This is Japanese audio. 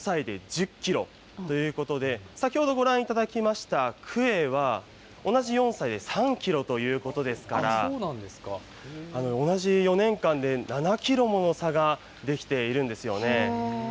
こちら、４歳で１０キロということで、先ほどご覧いただきましたクエは、同じ４歳で３キロということですから、同じ４年間で７キロもの差ができているんですよね。